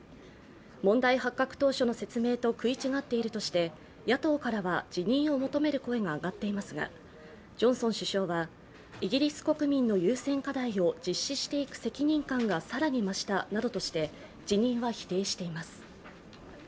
問題発覚当初の説明と食い違っているとして野党からは辞任を求める声が上がっていますがジョンソン首相はイギリス国民の優先課題を実施していく責任感が更に増したなどとして辞任は否定しています。